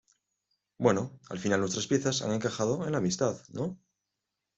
bueno, al final nuestras piezas han encajado en la amistad ,¿ no?